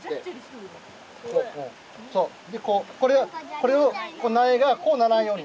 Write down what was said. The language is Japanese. これを苗が、こうならんように。